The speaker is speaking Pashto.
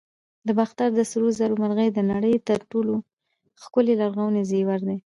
د باختر د سرو زرو مرغۍ د نړۍ تر ټولو ښکلي لرغوني زیور دی